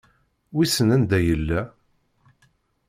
Wissen anda yella.